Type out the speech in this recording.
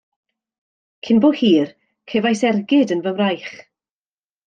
Cyn bo hir, cefais ergyd yn fy mraich.